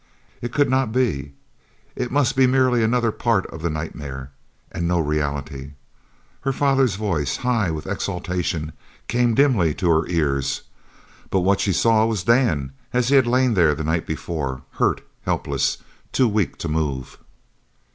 It could not be. It must be merely another part of the nightmare, and no reality. Her father's voice, high with exultation, came dimly to her ears, but what she saw was Dan as he had laid there the night before, hurt, helpless, too weak to move!